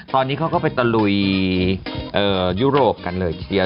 เราก็ได้ทางตะลุยยุโรปกันเลย